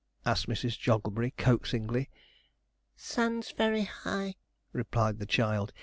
asked Mrs. Jogglebury coaxingly. 'Sun's very high,' replied the child.